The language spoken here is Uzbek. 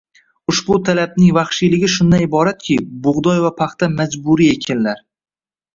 Ushbu talabning vahshiyligi shundan iboratki, bug‘doy va paxta majburiy ekinlar